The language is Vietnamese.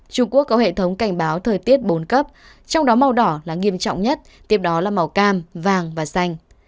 trung quốc có hệ thống cảnh báo thời tiết bốn cấp trong đó màu đỏ là nghiêm trọng nhất tiếp đó là màu cam vàng và xanh